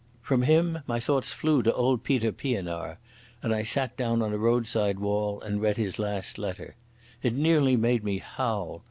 From him my thoughts flew to old Peter Pienaar, and I sat down on a roadside wall and read his last letter. It nearly made me howl.